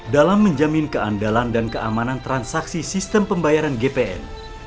dalam menjamin keandalan dan keamanan transaksi sistem pembayaran gpn